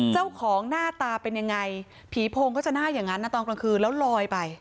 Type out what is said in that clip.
เจ้าของหน้าตาเป็นยังไงผีโพงก็จะหน้าอย่างนั้นนะตอนกลางคืนแล้วลอยไป